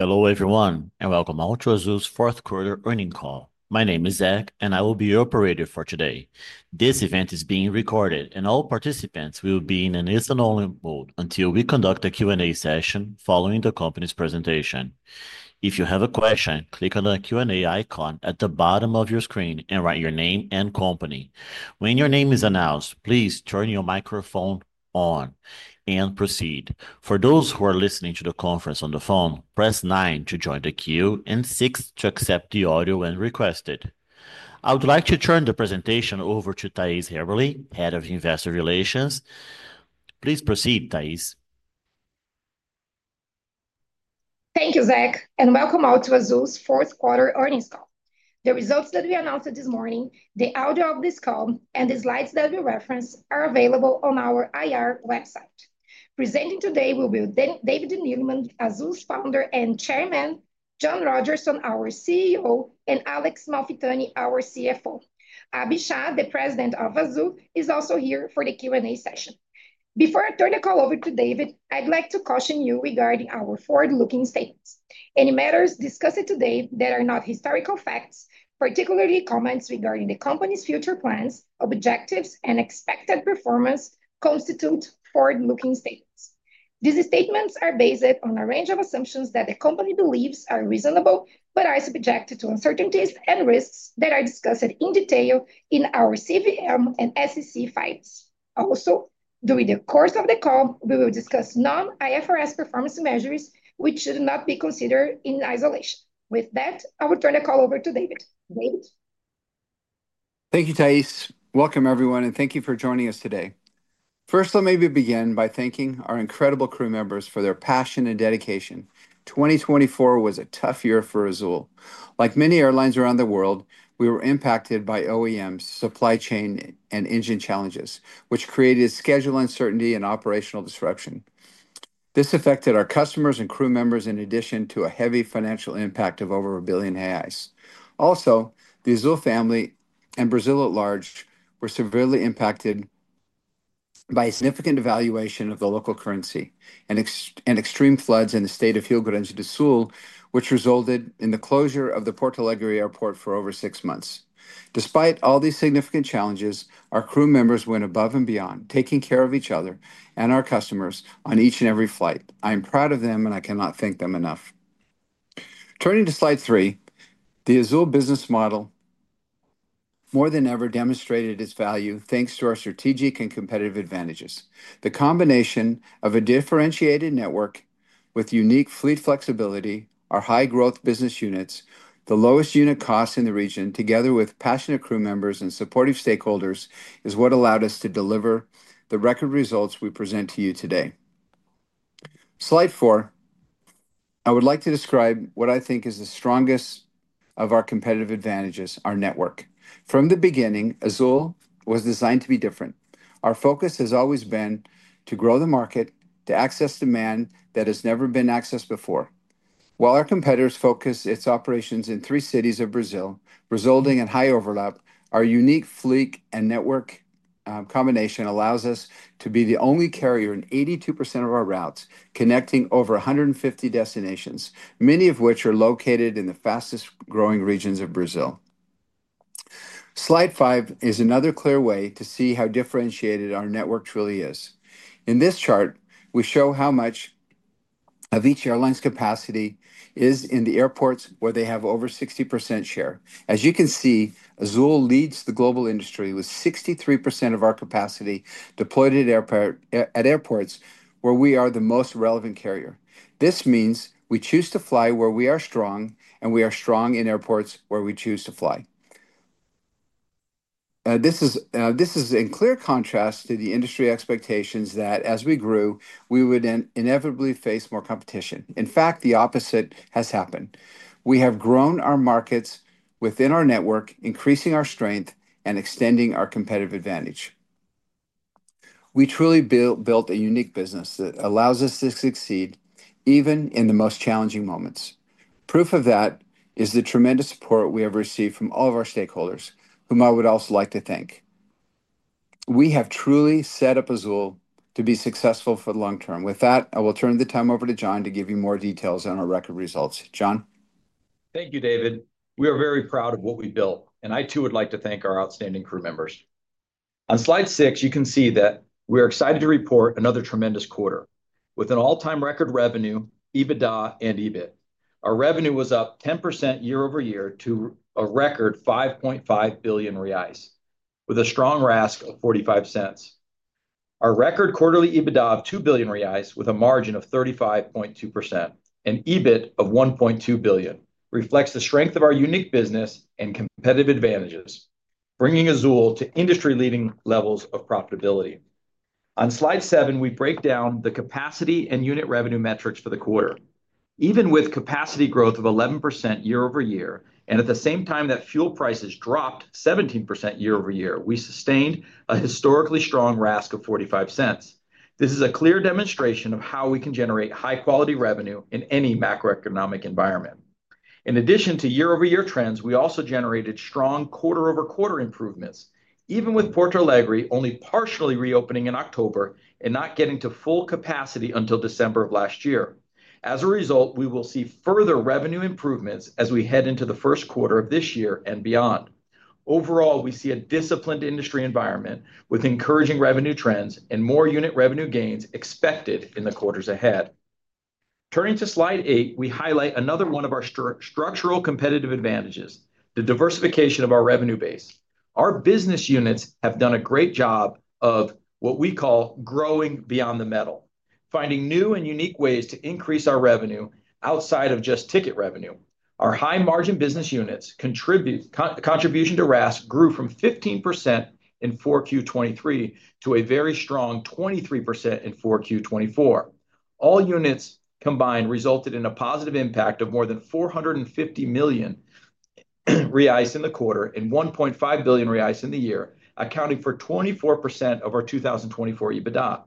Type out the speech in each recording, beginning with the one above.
Hello, everyone, and welcome to Azul's Q4 Earnings Call. My name is Zach, and I will be your operator for today. This event is being recorded, and all participants will be in an listen-only mode until we conduct a Q&A session following the company's presentation. If you have a question, click on the Q&A icon at the bottom of your screen and write your name and company. When your name is announced, please turn your microphone on and proceed. For those who are listening to the conference on the phone, press nine to join the queue and six to accept the audio when requested. I would like to turn the presentation over to Thais Haberli, Head of Investor Relations. Please proceed, Thais. Thank you, Zach, and welcome all to Azul's Q4 Earnings Call. The results that we announced this morning, the audio of this call, and the slides that we referenced are available on our IR website. Presenting today will be David Neeleman, Azul's founder and chairman, John Rodgerson, our CEO, and Alex Malfitani, our CFO. Abhi Shah, the president of Azul, is also here for the Q&A session. Before I turn the call over to David, I'd like to caution you regarding our forward-looking statements. Any matters discussed today that are not historical facts, particularly comments regarding the company's future plans, objectives, and expected performance, constitute forward-looking statements. These statements are based on a range of assumptions that the company believes are reasonable but are subjected to uncertainties and risks that are discussed in detail in our CVM and SEC filings. Also, during the course of the call, we will discuss non-IFRS performance measures, which should not be considered in isolation. With that, I will turn the call over to David. David. Thank you, Thais. Welcome, everyone, and thank you for joining us today. First, let me begin by thanking our incredible crew members for their passion and dedication. 2024 was a tough year for Azul. Like many airlines around the world, we were impacted by OEMs, supply chain, and engine challenges, which created schedule uncertainty and operational disruption. This affected our customers and crew members in addition to a heavy financial impact of over 1 billion reais. Also, the Azul family and Brazil at large were severely impacted by a significant devaluation of the local currency and extreme floods in the state of Rio Grande do Sul, which resulted in the closure of the Porto airport for over six months. Despite all these significant challenges, our crew members went above and beyond, taking care of each other and our customers on each and every flight. I am proud of them, and I cannot thank them enough. Turning to slide three, the Azul business model more than ever demonstrated its value thanks to our strategic and competitive advantages. The combination of a differentiated network with unique fleet flexibility, our high-growth business units, the lowest unit costs in the region, together with passionate crew members and supportive stakeholders, is what allowed us to deliver the record results we present to you today. Slide four, I would like to describe what I think is the strongest of our competitive advantages: our network. From the beginning, Azul was designed to be different. Our focus has always been to grow the market, to access demand that has never been accessed before. While our competitors focus their operations in three cities of Brazil, resulting in high overlap, our unique fleet and network combination allows us to be the only carrier in 82% of our routes, connecting over 150 destinations, many of which are located in the fastest-growing regions of Brazil. Slide five is another clear way to see how differentiated our network truly is. In this chart, we show how much of each airline's capacity is in the airports where they have over 60% share. As you can see, Azul leads the global industry with 63% of our capacity deployed at airports where we are the most relevant carrier. This means we choose to fly where we are strong, and we are strong in airports where we choose to fly. This is in clear contrast to the industry expectations that as we grew, we would inevitably face more competition. In fact, the opposite has happened. We have grown our markets within our network, increasing our strength and extending our competitive advantage. We truly built a unique business that allows us to succeed even in the most challenging moments. Proof of that is the tremendous support we have received from all of our stakeholders, whom I would also like to thank. We have truly set up Azul to be successful for the long term. With that, I will turn the time over to John to give you more details on our record results. John. Thank you, David. We are very proud of what we built, and I too would like to thank our outstanding crew members. On slide six, you can see that we are excited to report another tremendous quarter with an all-time record revenue, EBITDA, and EBIT. Our revenue was up 10% year-over-year to a record 5.5 billion reais, with a strong RASK of $0.45. Our record quarterly EBITDA of 2 billion reais, with a margin of 35.2%, and EBIT of 1.2 billion, reflects the strength of our unique business and competitive advantages, bringing Azul to industry-leading levels of profitability. On slide seven, we break down the capacity and unit revenue metrics for the quarter. Even with capacity growth of 11% year over year, and at the same time that fuel prices dropped 17% year over year, we sustained a historically strong RASK of $0.45. This is a clear demonstration of how we can generate high-quality revenue in any macroeconomic environment. In addition to year-over-year trends, we also generated strong quarter-over-quarter improvements, even with Porto Alegre only partially reopening in October and not getting to full capacity until December of last year. As a result, we will see further revenue improvements as we head into the Q1 of this year and beyond. Overall, we see a disciplined industry environment with encouraging revenue trends and more unit revenue gains expected in the quarters ahead. Turning to slide eight, we highlight another one of our structural competitive advantages: the diversification of our revenue base. Our business units have done a great job of what we call growing beyond the metal, finding new and unique ways to increase our revenue outside of just ticket revenue. Our high-margin business units' contribution to RASK grew from 15% in 2023 to a very strong 23% in 2024. All units combined resulted in a positive impact of more than 450 million reais in the quarter and 1.5 billion reais in the year, accounting for 24% of our 2024 EBITDA.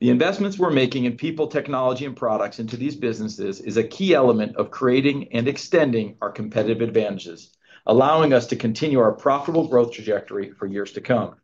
The investments we're making in people, technology, and products into these businesses is a key element of creating and extending our competitive advantages, allowing us to continue our profitable growth trajectory for years to come.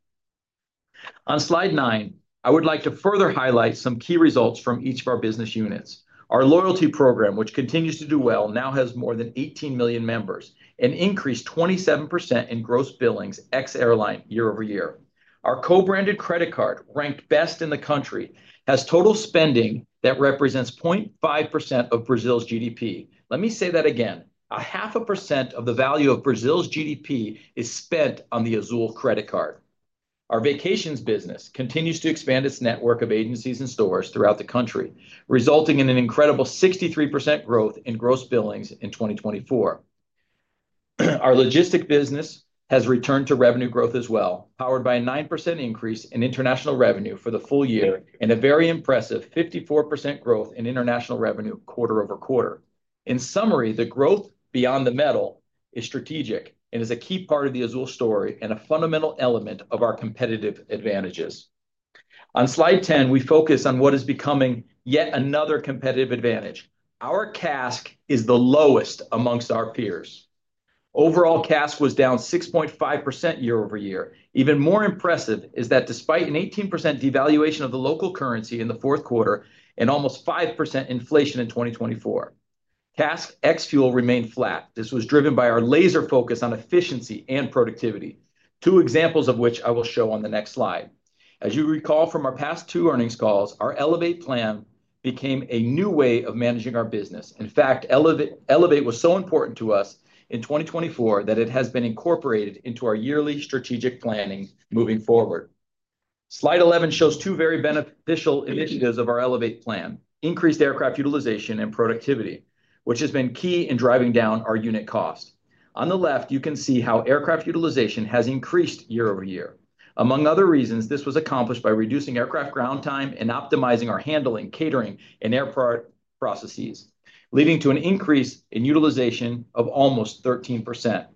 On slide nine, I would like to further highlight some key results from each of our business units. Our loyalty program, which continues to do well, now has more than 18 million members and increased 27% in gross billings ex-airline year over year. Our co-branded credit card, ranked best in the country, has total spending that represents 0.5% of Brazil's GDP. Let me say that again: half a percent of the value of Brazil's GDP is spent on the Azul Credit Card. Our vacations business continues to expand its network of agencies and stores throughout the country, resulting in an incredible 63% growth in gross billings in 2024. Our logistics business has returned to revenue growth as well, powered by a 9% increase in international revenue for the full year and a very impressive 54% growth in international revenue quarter over quarter. In summary, the growth beyond the metal is strategic and is a key part of the Azul story and a fundamental element of our competitive advantages. On slide 10, we focus on what is becoming yet another competitive advantage. Our CASK is the lowest amongst our peers. Overall, CASK was down 6.5% year-over-year. Even more impressive is that despite an 18% devaluation of the local currency in the Q4 and almost 5% inflation in 2024, CASK ex-fuel remained flat. This was driven by our laser focus on efficiency and productivity, two examples of which I will show on the next slide. As you recall from our past two earnings calls, our Elevate plan became a new way of managing our business. In fact, Elevate was so important to us in 2024 that it has been incorporated into our yearly strategic planning moving forward. Slide 11 shows two very beneficial initiatives of our Elevate plan: increased aircraft utilization and productivity, which has been key in driving down our unit cost. On the left, you can see how aircraft utilization has increased year over year. Among other reasons, this was accomplished by reducing aircraft ground time and optimizing our handling, catering, and airport processes, leading to an increase in utilization of almost 13%.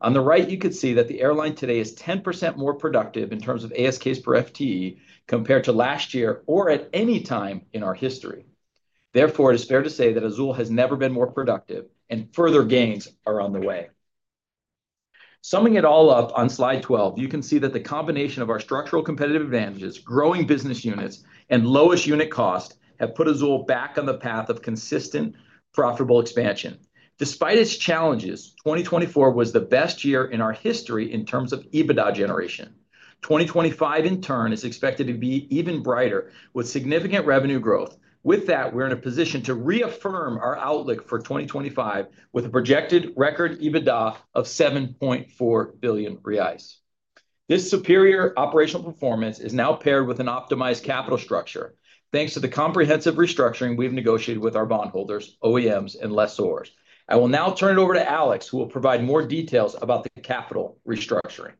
On the right, you could see that the airline today is 10% more productive in terms of ASKs per FTE compared to last year or at any time in our history. Therefore, it is fair to say that Azul has never been more productive, and further gains are on the way. Summing it all up, on slide 12, you can see that the combination of our structural competitive advantages, growing business units, and lowest unit cost have put Azul back on the path of consistent, profitable expansion. Despite its challenges, 2024 was the best year in our history in terms of EBITDA generation. 2025, in turn, is expected to be even brighter with significant revenue growth. With that, we're in a position to reaffirm our outlook for 2025 with a projected record EBITDA of 7.4 billion reais. This superior operational performance is now paired with an optimized capital structure thanks to the comprehensive restructuring we've negotiated with our bondholders, OEMs, and lessors. I will now turn it over to Alex, who will provide more details about the capital restructuring.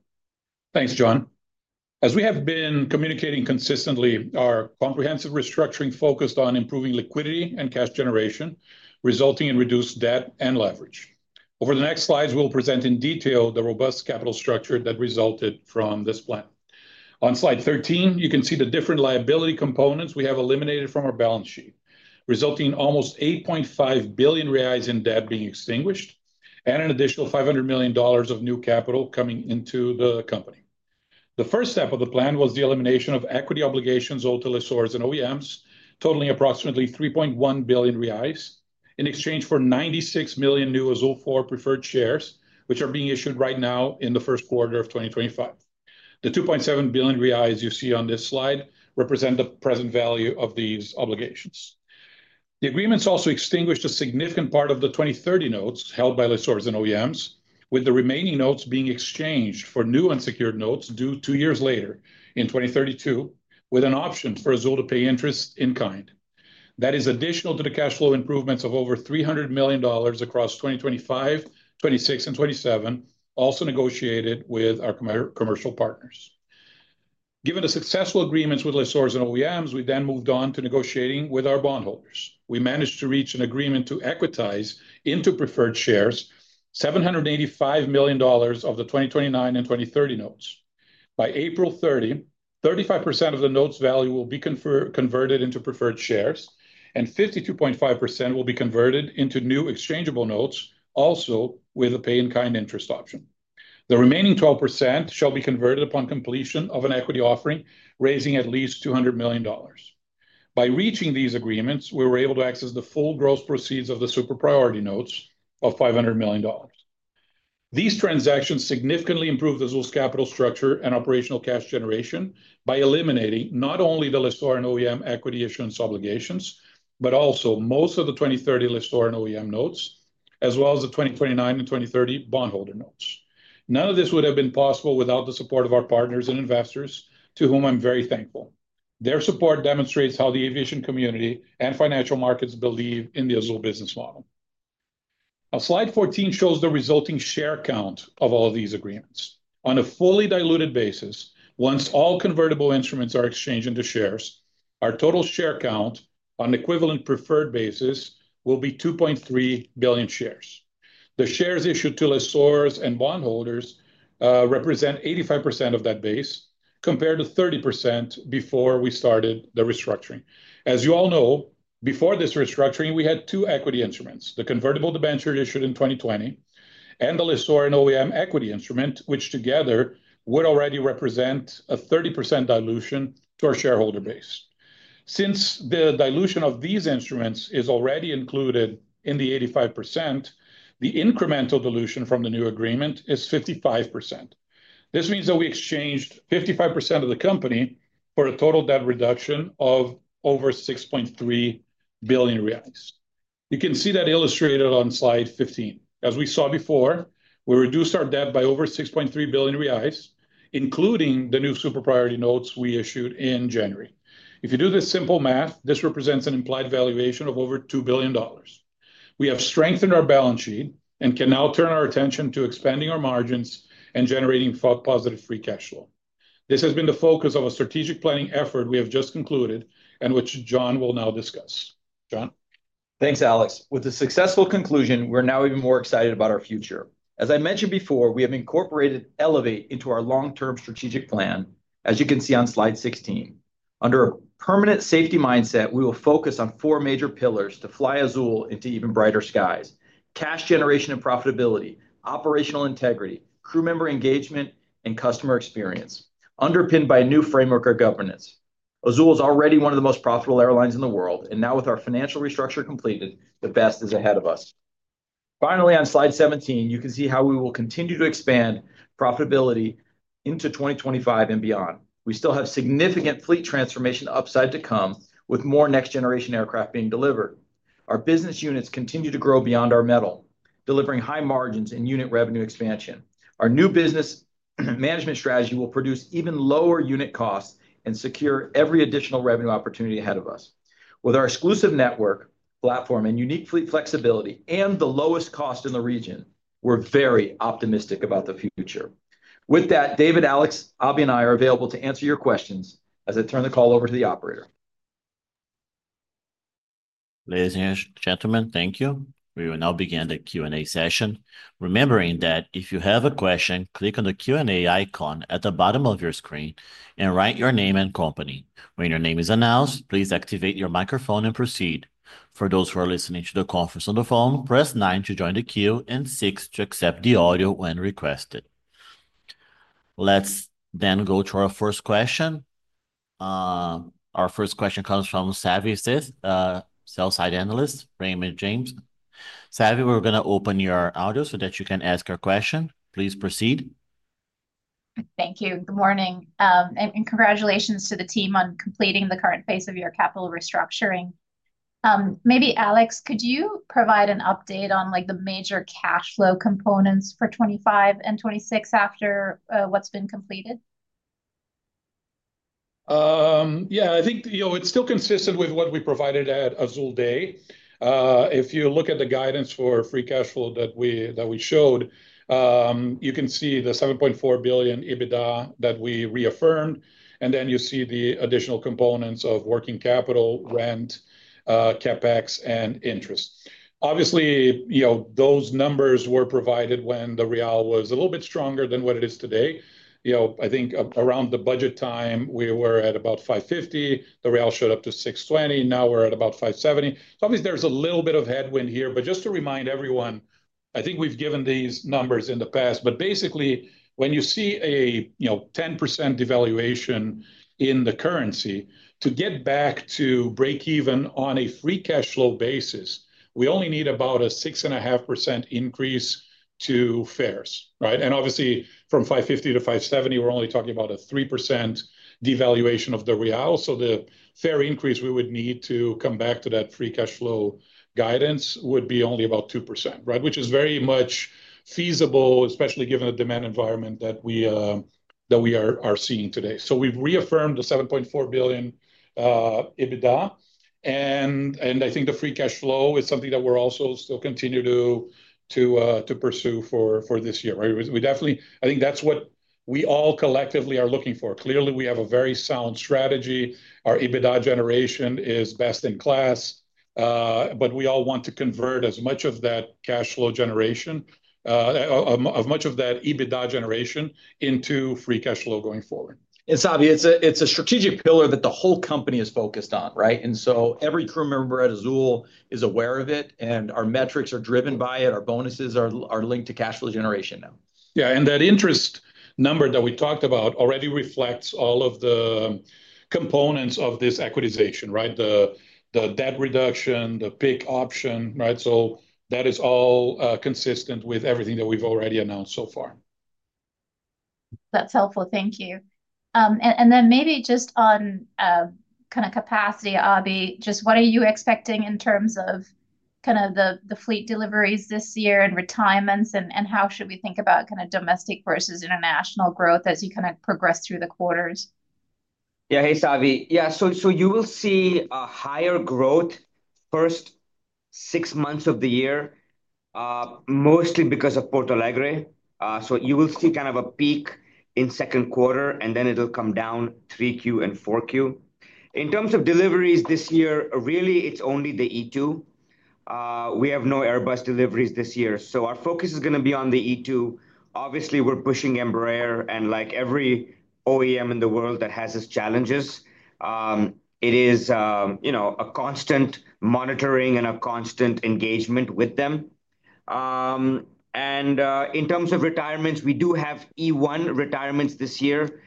Thanks, John. As we have been communicating consistently, our comprehensive restructuring focused on improving liquidity and cash generation, resulting in reduced debt and leverage. Over the next slides, we'll present in detail the robust capital structure that resulted from this plan. On slide 13, you can see the different liability components we have eliminated from our balance sheet, resulting in almost 8.5 billion reais in debt being extinguished and an additional $500 million of new capital coming into the company. The first step of the plan was the elimination of equity obligations owed to lessors and OEMs, totaling approximately 3.1 billion reais in exchange for 96 million new Azul 4 preferred shares, which are being issued right now in the Q1 of 2025. The 2.7 billion reais you see on this slide represent the present value of these obligations. The agreements also extinguished a significant part of the 2030 notes held by lessors and OEMs, with the remaining notes being exchanged for new unsecured notes due two years later in 2032, with an option for Azul to pay interest in kind. That is additional to the cash flow improvements of over $300 million across 2025, 2026, and 2027, also negotiated with our commercial partners. Given the successful agreements with lessors and OEMs, we then moved on to negotiating with our bondholders. We managed to reach an agreement to equitize into preferred shares $785 million of the 2029 and 2030 notes. By April 30, 35% of the notes' value will be converted into preferred shares, and 52.5% will be converted into new exchangeable notes, also with a pay-in-kind interest option. The remaining 12% shall be converted upon completion of an equity offering, raising at least $200 million. By reaching these agreements, we were able to access the full gross proceeds of the super priority notes of $500 million. These transactions significantly improved Azul's capital structure and operational cash generation by eliminating not only the lessor and OEM equity issuance obligations, but also most of the 2030 lessor and OEM notes, as well as the 2029 and 2030 bondholder notes. None of this would have been possible without the support of our partners and investors, to whom I'm very thankful. Their support demonstrates how the aviation community and financial markets believe in the Azul business model. Slide 14 shows the resulting share count of all of these agreements. On a fully diluted basis, once all convertible instruments are exchanged into shares, our total share count on an equivalent preferred basis will be 2.3 billion shares. The shares issued to lessors and bondholders represent 85% of that base, compared to 30% before we started the restructuring. As you all know, before this restructuring, we had two equity instruments: the convertible debenture issued in 2020 and the lessor and OEM equity instrument, which together would already represent a 30% dilution to our shareholder base. Since the dilution of these instruments is already included in the 85%, the incremental dilution from the new agreement is 55%. This means that we exchanged 55% of the company for a total debt reduction of over 6.3 billion reais. You can see that illustrated on slide 15. As we saw before, we reduced our debt by over 6.3 billion reais, including the new Super Priority Notes we issued in January. If you do this simple math, this represents an implied valuation of over $2 billion. We have strengthened our balance sheet and can now turn our attention to expanding our margins and generating positive free cash flow. This has been the focus of a strategic planning effort we have just concluded and which John will now discuss. John. Thanks, Alex. With the successful conclusion, we're now even more excited about our future. As I mentioned before, we have incorporated Elevate into our long-term strategic plan, as you can see on slide 16. Under a permanent safety mindset, we will focus on four major pillars to fly Azul into even brighter skies: cash generation and profitability, operational integrity, crew member engagement, and customer experience, underpinned by a new framework of governance. Azul is already one of the most profitable airlines in the world, and now with our financial restructure completed, the best is ahead of us. Finally, on slide 17, you can see how we will continue to expand profitability into 2025 and beyond. We still have significant fleet transformation upside to come, with more next-generation aircraft being delivered. Our business units continue to grow beyond our metal, delivering high margins and unit revenue expansion. Our new business management strategy will produce even lower unit costs and secure every additional revenue opportunity ahead of us. With our exclusive network platform and unique fleet flexibility and the lowest cost in the region, we're very optimistic about the future. With that, David, Alex, Abhi, and I are available to answer your questions as I turn the call over to the operator. Ladies and gentlemen, thank you. We will now begin the Q&A session. Remembering that if you have a question, click on the Q&A icon at the bottom of your screen and write your name and company. When your name is announced, please activate your microphone and proceed. For those who are listening to the conference on the phone, press 9 to join the queue and 6 to accept the audio when requested. Let's then go to our first question. Our first question comes from Savanthi Syth, sell-side analyst, Raymond James. Savvy, we're going to open your audio so that you can ask your question. Please proceed. Thank you. Good morning. Congratulations to the team on completing the current phase of your capital restructuring. Maybe, Alex, could you provide an update on the major cash flow components for 2025 and 2026 after what has been completed? Yeah, I think it's still consistent with what we provided at Azul Day. If you look at the guidance for free cash flow that we showed, you can see the 7.4 billion EBITDA that we reaffirmed. Then you see the additional components of working capital, rent, CapEx, and interest. Obviously, those numbers were provided when the real was a little bit stronger than what it is today. I think around the budget time, we were at about 5.50. The real showed up to 6.20. Now we're at about 5.70. Obviously, there's a little bit of headwind here. Just to remind everyone, I think we've given these numbers in the past. Basically, when you see a 10% devaluation in the currency, to get back to break-even on a free cash flow basis, we only need about a 6.5% increase to fares. Obviously, from 550 to 570, we're only talking about a 3% devaluation of the real. The fare increase we would need to come back to that free cash flow guidance would be only about 2%, which is very much feasible, especially given the demand environment that we are seeing today. We have reaffirmed the 7.4 billion EBITDA. I think the free cash flow is something that we're also still continuing to pursue for this year. I think that's what we all collectively are looking for. Clearly, we have a very sound strategy. Our EBITDA generation is best in class. We all want to convert as much of that cash flow generation, as much of that EBITDA generation into free cash flow going forward. Savanthi, it's a strategic pillar that the whole company is focused on. Every crew member at Azul is aware of it. Our metrics are driven by it. Our bonuses are linked to cash flow generation now. Yeah. That interest number that we talked about already reflects all of the components of this equitization: the debt reduction, the PIK option. That is all consistent with everything that we've already announced so far. That's helpful. Thank you. Maybe just on kind of capacity, Abhi, just what are you expecting in terms of kind of the fleet deliveries this year and retirements? How should we think about kind of domestic versus international growth as you kind of progress through the quarters? Yeah, hey, Savvy. Yeah. You will see a higher growth first six months of the year, mostly because of Porto Alegre. You will see kind of a peak in Q2, and then it'll come down 3Q and 4Q. In terms of deliveries this year, really, it's only the E2. We have no Airbus deliveries this year. Our focus is going to be on the E2. Obviously, we're pushing Embraer and like every OEM in the world that has its challenges. It is a constant monitoring and a constant engagement with them. In terms of retirements, we do have E1 retirements this year.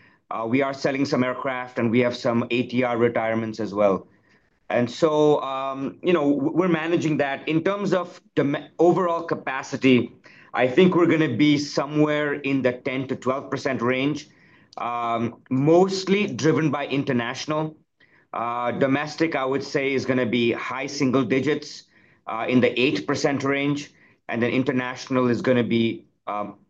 We are selling some aircraft, and we have some ATR retirements as well. We're managing that. In terms of overall capacity, I think we're going to be somewhere in the 10%-12% range, mostly driven by international. Domestic, I would say, is going to be high single digits in the 8% range. International is going to be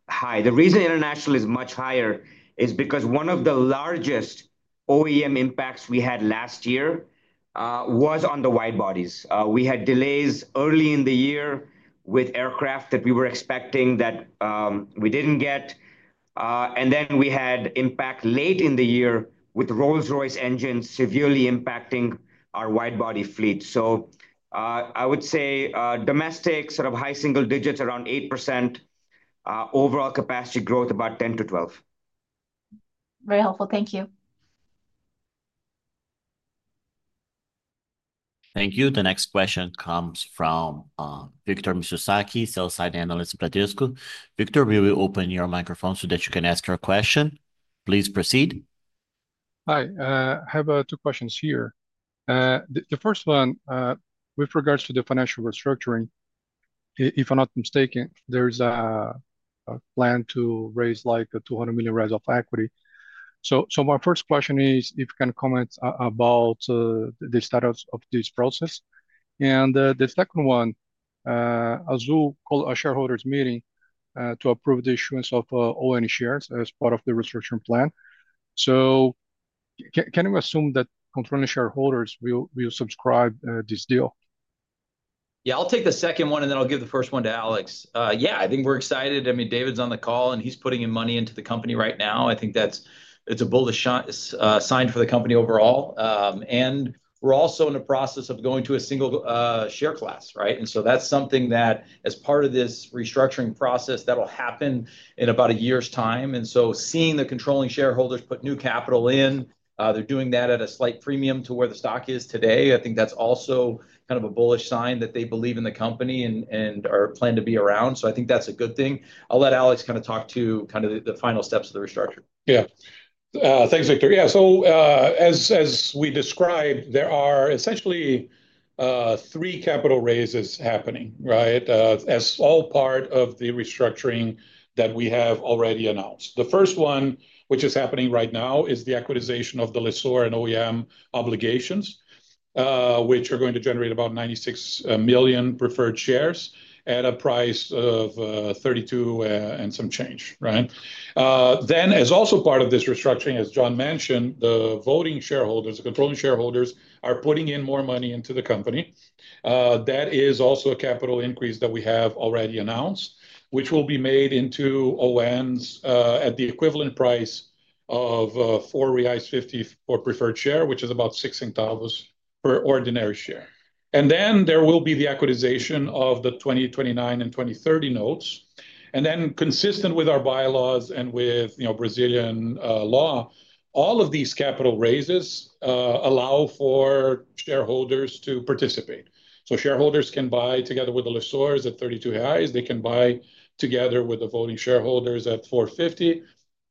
high. The reason international is much higher is because one of the largest OEM impacts we had last year was on the widebodies. We had delays early in the year with aircraft that we were expecting that we did not get. We had impact late in the year with Rolls-Royce engines severely impacting our widebody fleet. I would say domestic sort of high single digits, around 8% overall capacity growth, about 10%-12%. Very helpful. Thank you. Thank you. The next question comes from Victor Mizusaki, sell-side analyst in Bradesco. Victor, we will open your microphone so that you can ask your question. Please proceed. Hi. I have two questions here. The first one, with regards to the financial restructuring, if I'm not mistaken, there is a plan to raise like $200 million of equity. My first question is, if you can comment about the status of this process. The second one, Azul called a shareholders meeting to approve the issuance of ON shares as part of the restructuring plan. Can we assume that controlling shareholders will subscribe to this deal? Yeah, I'll take the second one, and then I'll give the first one to Alex. I think we're excited. I mean, David's on the call, and he's putting in money into the company right now. I think that's a bullish sign for the company overall. We're also in the process of going to a single share class. That's something that, as part of this restructuring process, will happen in about a year's time. Seeing the controlling shareholders put new capital in, they're doing that at a slight premium to where the stock is today. I think that's also kind of a bullish sign that they believe in the company and are planned to be around. I think that's a good thing. I'll let Alex kind of talk to the final steps of the restructuring. Yeah. Thanks, Victor. Yeah. As we described, there are essentially three capital raises happening as all part of the restructuring that we have already announced. The first one, which is happening right now, is the equitization of the lessor and OEM obligations, which are going to generate about 96 million preferred shares at a price of 32 and some change. As also part of this restructuring, as John mentioned, the voting shareholders, the controlling shareholders, are putting in more money into the company. That is also a capital increase that we have already announced, which will be made into ONs at the equivalent price of 4.50 reais for preferred share, which is about six centavos per ordinary share. There will be the equitization of the 2029 and 2030 notes. Consistent with our bylaws and with Brazilian law, all of these capital raises allow for shareholders to participate. Shareholders can buy together with the lessors at 32. They can buy together with the voting shareholders at 450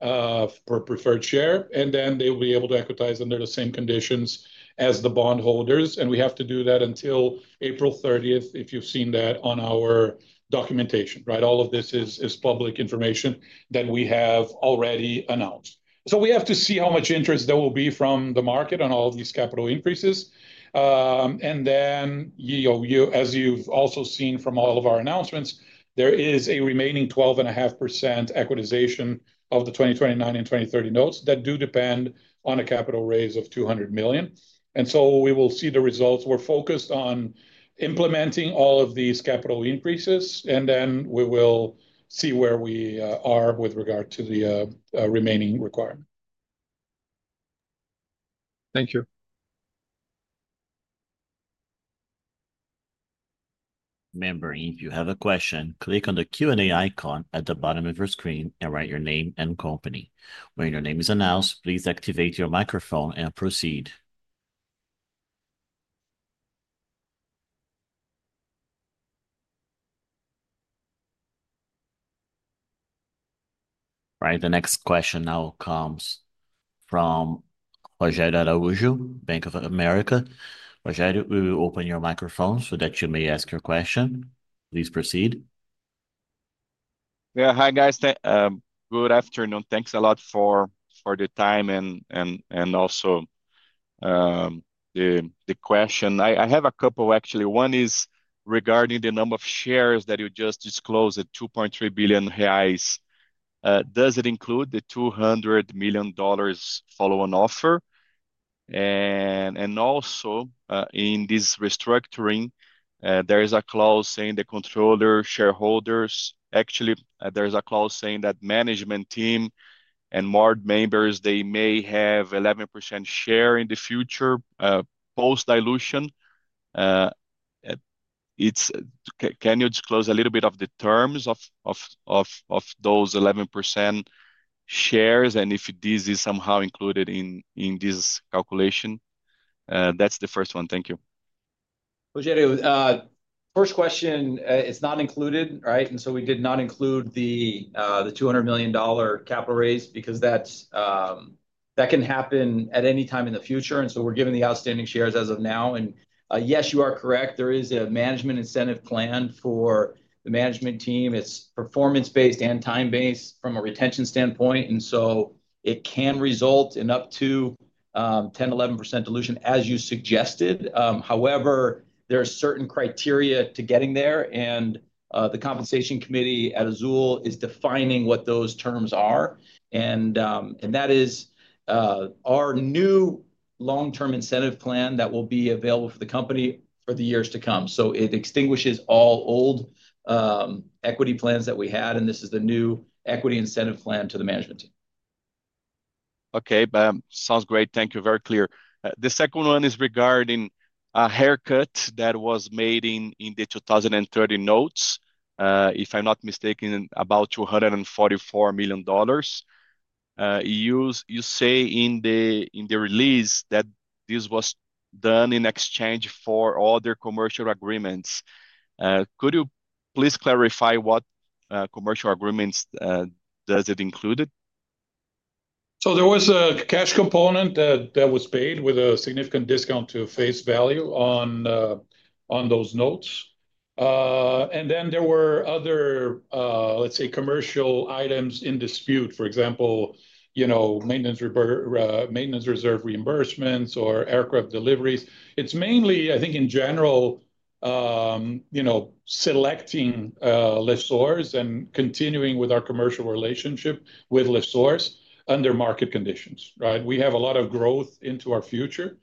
per preferred share. They will be able to equitize under the same conditions as the bondholders. We have to do that until April 30, if you have seen that on our documentation. All of this is public information that we have already announced. We have to see how much interest there will be from the market on all of these capital increases. As you have also seen from all of our announcements, there is a remaining 12.5% equitization of the 2029 and 2030 notes that do depend on a capital raise of 200 million. We will see the results. We're focused on implementing all of these capital increases. Then we will see where we are with regard to the remaining requirement. Thank you. Remember, if you have a question, click on the Q&A icon at the bottom of your screen and write your name and company. When your name is announced, please activate your microphone and proceed. All right. The next question now comes from Rogério Araújo, Bank of America. Rogério, we will open your microphone so that you may ask your question. Please proceed. Yeah. Hi, guys. Good afternoon. Thanks a lot for the time and also the question. I have a couple, actually. One is regarding the number of shares that you just disclosed, the 2.3 billion reais. Does it include the $200 million follow-on offer? Also, in this restructuring, there is a clause saying the controller shareholders, actually, there's a clause saying that management team and more members, they may have 11% share in the future post-dilution. Can you disclose a little bit of the terms of those 11% shares and if this is somehow included in this calculation? That's the first one. Thank you. Rogério, first question, it's not included. We did not include the $200 million capital raise because that can happen at any time in the future. We are giving the outstanding shares as of now. Yes, you are correct. There is a management incentive plan for the management team. It's performance-based and time-based from a retention standpoint. It can result in up to 10%-11% dilution, as you suggested. However, there are certain criteria to getting there. The Compensation Committee at Azul is defining what those terms are. That is our new long-term incentive plan that will be available for the company for the years to come. It extinguishes all old equity plans that we had. This is the new equity incentive plan to the management team. Okay. Sounds great. Thank you. Very clear. The second one is regarding a haircut that was made in the 2030 notes, if I'm not mistaken, about $244 million. You say in the release that this was done in exchange for other commercial agreements. Could you please clarify what commercial agreements does it include? There was a cash component that was paid with a significant discount to face value on those notes. Then there were other, let's say, commercial items in dispute, for example, maintenance reserve reimbursements or aircraft deliveries. It is mainly, I think, in general, selecting lessors and continuing with our commercial relationship with lessors under market conditions. We have a lot of growth into our future.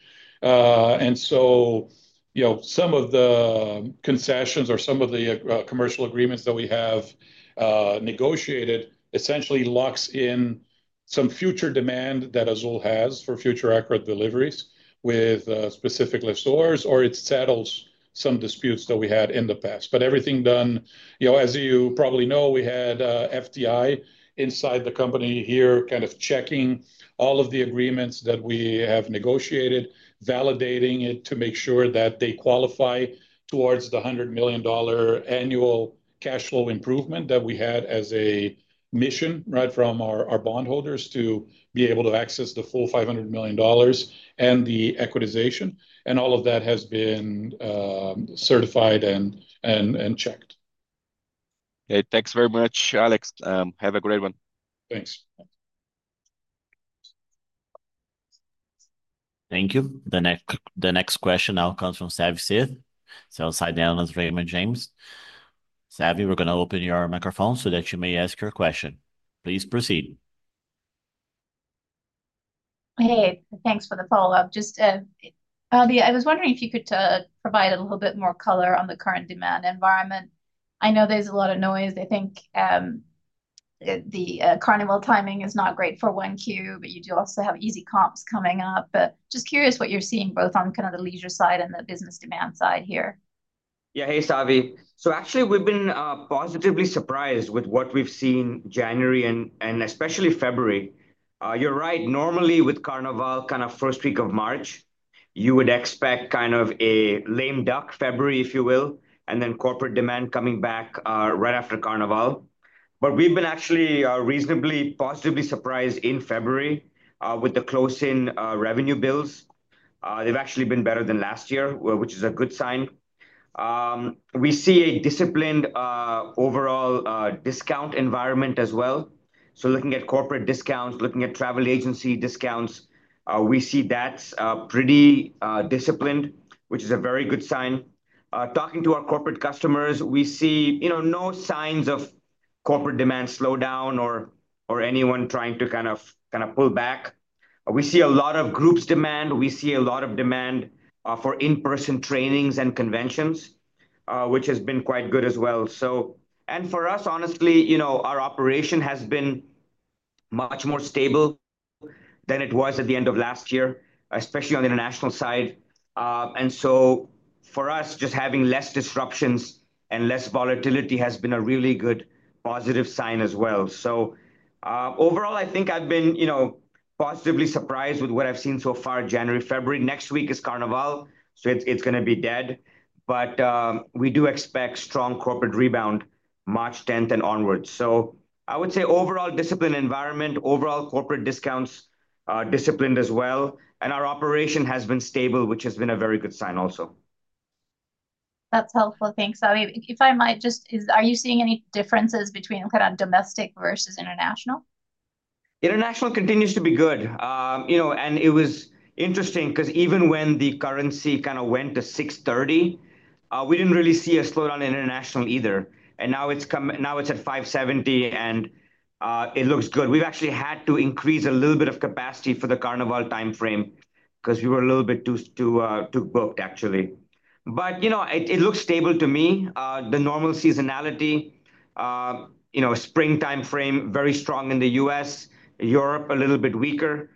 Some of the concessions or some of the commercial agreements that we have negotiated essentially lock in some future demand that Azul has for future aircraft deliveries with specific lessors, or it settles some disputes that we had in the past. Everything done, as you probably know, we had FTI inside the company here kind of checking all of the agreements that we have negotiated, validating it to make sure that they qualify towards the $100 million annual cash flow improvement that we had as a mission from our bondholders to be able to access the full $500 million and the equitization. All of that has been certified and checked. Okay. Thanks very much, Alex. Have a great one. Thanks. Thank you. The next question now comes from Savanthi Syth, sell-side analyst Raymond James. Savvy, we're going to open your microphone so that you may ask your question. Please proceed. Hey, thanks for the follow-up. Just, Abhi, I was wondering if you could provide a little bit more color on the current demand environment. I know there's a lot of noise. I think the Carnival timing is not great for 1Q, but you do also have easy comps coming up. Just curious what you're seeing both on kind of the leisure side and the business demand side here. Yeah. Hey, Savanthi. Actually, we've been positively surprised with what we've seen in January and especially February. You're right. Normally, with Carnival kind of first week of March, you would expect kind of a lame duck February, if you will, and then corporate demand coming back right after Carnival. We've been actually reasonably positively surprised in February with the close-in revenue bills. They've actually been better than last year, which is a good sign. We see a disciplined overall discount environment as well. Looking at corporate discounts, looking at travel agency discounts, we see that's pretty disciplined, which is a very good sign. Talking to our corporate customers, we see no signs of corporate demand slowdown or anyone trying to kind of pull back. We see a lot of groups demand. We see a lot of demand for in-person trainings and conventions, which has been quite good as well. For us, honestly, our operation has been much more stable than it was at the end of last year, especially on the international side. For us, just having less disruptions and less volatility has been a really good positive sign as well. Overall, I think I have been positively surprised with what I have seen so far, January, February. Next week is Carnival, so it is going to be dead. We do expect strong corporate rebound March 10th and onwards. I would say overall disciplined environment, overall corporate discounts disciplined as well. Our operation has been stable, which has been a very good sign also. That's helpful. Thanks, Abhi. If I might just, are you seeing any differences between kind of domestic versus international? International continues to be good. It was interesting because even when the currency kind of went to 6.30, we did not really see a slowdown in international either. Now it is at 5.70, and it looks good. We have actually had to increase a little bit of capacity for the Carnival timeframe because we were a little bit too booked, actually. It looks stable to me. The normal seasonality, spring timeframe, very strong in the U.S. Europe, a little bit weaker.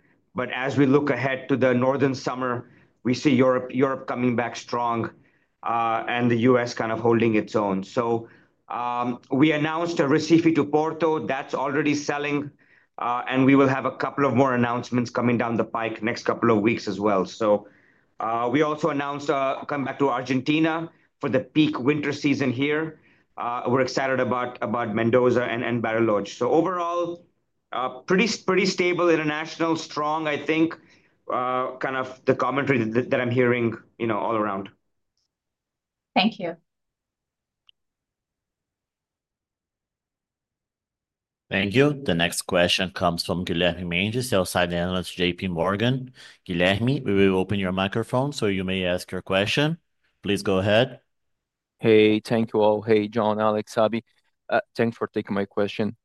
As we look ahead to the northern summer, we see Europe coming back strong and the U.S. kind of holding its own. We announced a Recife to Porto Alegre. That is already selling. We will have a couple of more announcements coming down the pike next couple of weeks as well. We also announced coming back to Argentina for the peak winter season here. We're excited about Mendoza and Bariloche. Overall, pretty stable international, strong, I think, kind of the commentary that I'm hearing all around. Thank you. Thank you. The next question comes from Guilherme Mendes, sell-side analyst, JP Morgan. Guilherme, we will open your microphone so you may ask your question. Please go ahead. Hey, thank you all. Hey, John, Alex, Abhi. Thanks for taking my question.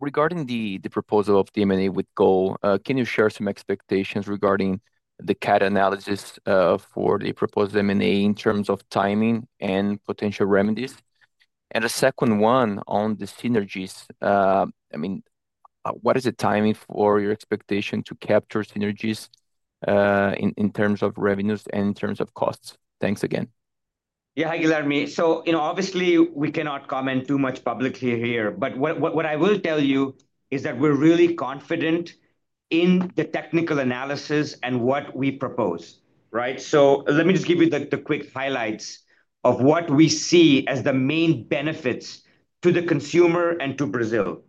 Regarding the proposal of the M&A with GOL, can you share some expectations regarding the CADE analysis for the proposed M&A in terms of timing and potential remedies? The second one on the synergies, I mean, what is the timing for your expectation to capture synergies in terms of revenues and in terms of costs? Thanks again. Yeah. Hi, Guilherme. Obviously, we cannot comment too much publicly here. What I will tell you is that we're really confident in the technical analysis and what we propose. Let me just give you the quick highlights of what we see as the main benefits to the consumer and to Brazil.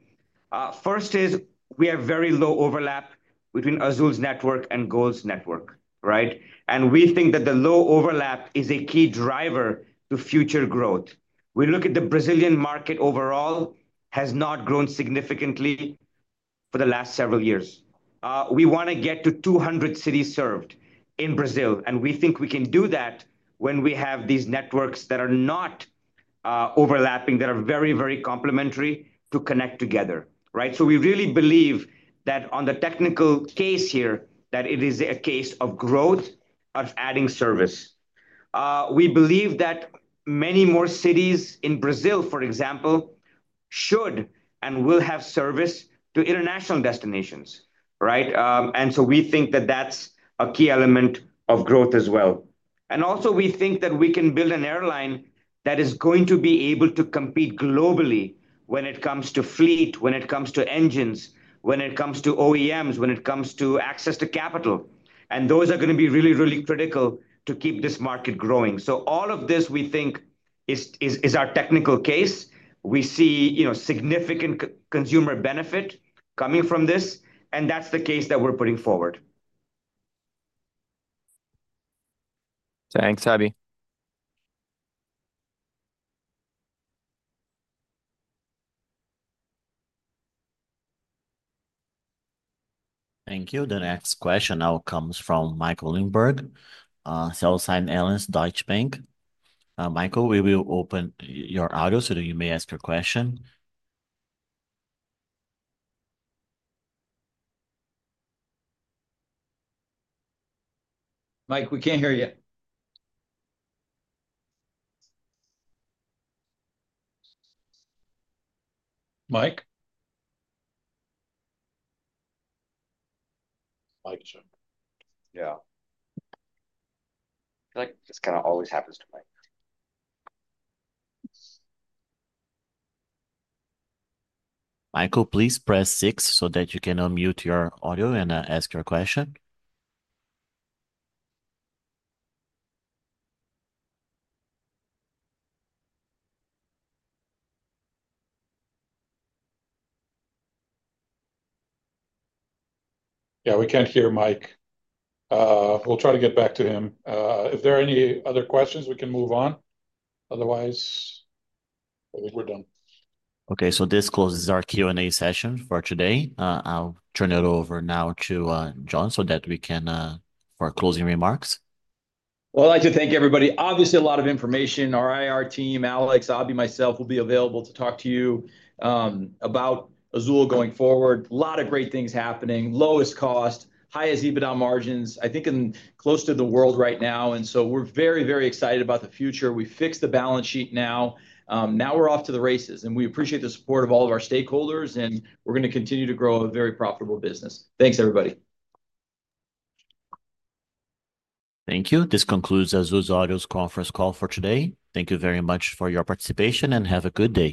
First is we have very low overlap between Azul's network and GOL's network. We think that the low overlap is a key driver to future growth. We look at the Brazilian market overall, which has not grown significantly for the last several years. We want to get to 200 cities served in Brazil. We think we can do that when we have these networks that are not overlapping, that are very, very complementary to connect together. We really believe that on the technical case here, that it is a case of growth, of adding service. We believe that many more cities in Brazil, for example, should and will have service to international destinations. We think that that is a key element of growth as well. Also, we think that we can build an airline that is going to be able to compete globally when it comes to fleet, when it comes to engines, when it comes to OEMs, when it comes to access to capital. Those are going to be really, really critical to keep this market growing. All of this, we think, is our technical case. We see significant consumer benefit coming from this. That is the case that we are putting forward. Thanks, Abhi. Thank you. The next question now comes from Michael Linenberg, sell-side analyst, Deutsche Bank. Michael, we will open your audio so that you may ask your question. Mike, we can't hear you. Mike? Mike, sir. Yeah. I feel like this kind of always happens to Mike. Michael, please press 6 so that you can unmute your audio and ask your question. Yeah, we can't hear Mike. We'll try to get back to him. If there are any other questions, we can move on. Otherwise, I think we're done. Okay. This closes our Q&A session for today. I'll turn it over now to John so that we can have our closing remarks. I would like to thank everybody. Obviously, a lot of information. Our IR team, Alex, Abhi, myself, will be available to talk to you about Azul going forward. A lot of great things happening. Lowest cost, highest EBITDA margins, I think, in close to the world right now. We are very, very excited about the future. We fixed the balance sheet now. Now we are off to the races. We appreciate the support of all of our stakeholders. We are going to continue to grow a very profitable business. Thanks, everybody. Thank you. This concludes Azul's audio conference call for today. Thank you very much for your participation and have a good day.